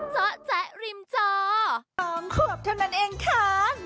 จ๊ะจ๊ะริมจ้อ